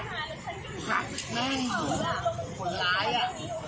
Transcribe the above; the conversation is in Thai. พักแม่อยู่คนร้ายอ่ะ